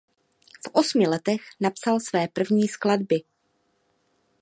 V osmi letech napsal své první skladby.